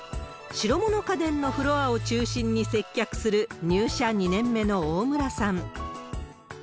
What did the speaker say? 白物家電のフロアを中心に接客する、入社２年目の大村さん。